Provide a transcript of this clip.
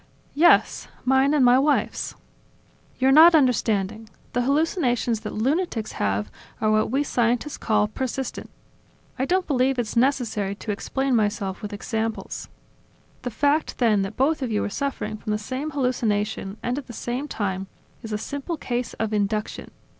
"Yes; mine and my wife's!" "You're not understanding. The hallucinations that lunatics have are what we scientists call persistent. I don't believe it's necessary to explain myself with examples ... The fact then that both of you are suffering from the same hallucination, and at the same time, is a simple case of induction.